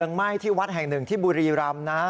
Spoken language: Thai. ไหม้ที่วัดแห่งหนึ่งที่บุรีรำนะ